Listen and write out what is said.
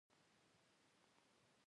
لمر ګل په کندهار او هلمند کې دی.